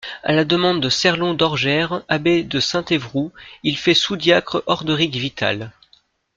À la demande de Serlon d'Orgères, abbé de Saint-Évroult, il fait sous-diacre Orderic Vital.